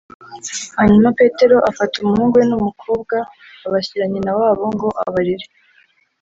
hanyuma petero afata umuhungu we n’umukobwa abashyira nyinawabo ngo abarere.